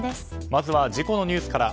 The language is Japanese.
まずは事故のニュースから。